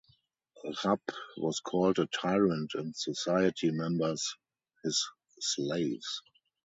Rapp was called a tyrant and Society members his slaves.